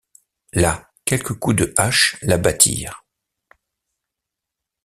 Là, quelques coups de hache l’abattirent.